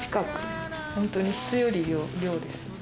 本当に質より量量ですね。